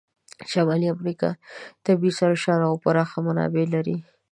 شمالي امریکا طبیعي سرشاره او پراخه منابع لري.